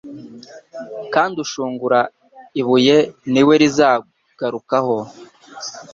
kandi ushungura ibuye ni we rizagarukaho